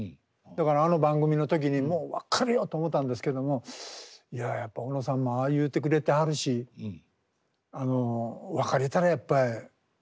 だからあの番組の時にもう別れようと思たんですけどもいややっぱ小野さんもああ言うてくれてはるしあの別れたらやっぱ終わりやなと。